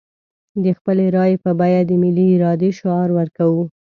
د خپلې رايې په بيه د ملي ارادې شعار ورکوو.